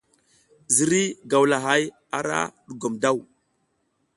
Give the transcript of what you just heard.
Ziriy gawlahay ara ɗugom daw.